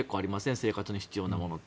生活に必要なものって。